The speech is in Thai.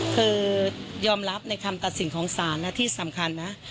คือยอมรับในคำตัดสินของศาลนะที่สำคัญนะ